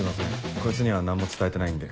こいつには何も伝えてないんで。